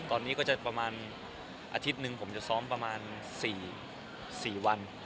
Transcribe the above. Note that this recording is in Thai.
ตอนนี้ก็จะประมาณอาทิตย์หนึ่งผมจะซ้อมประมาณ๔วัน